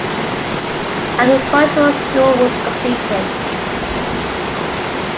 Agricultural School was completed.